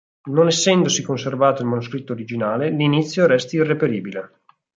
Non essendosi conservato il manoscritto originale, l'inizio resta irreperibile.